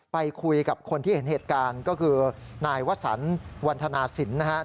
ไปคุยกับคนที่เห็นเหตุการณ์ก็คือนายวสันวันธนาสินนะครับ